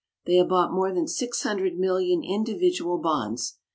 They have bought more than six hundred million individual bonds.